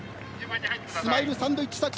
スマイルサンドイッチ作戦。